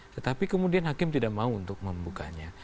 tetapi kemudian hakim tidak mau untuk membukanya